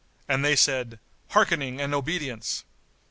And they said, "Hearkening and obedience!"